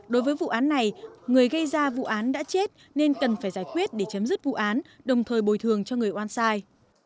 đối với vụ án này người gây ra vụ án đã chết nên cần phải giải quyết để chấm dứt vụ án đồng thời bồi thường cho người oan sai